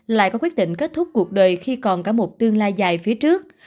lại có quyết định kết thúc cuộc đời khi còn cả một tương lai dài phía trước